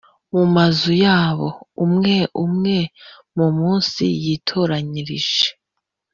mu mazu yabo umwe umwe mu munsi yitoranirije